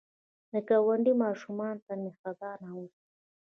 د ګاونډي ماشومانو ته مهربان اوسه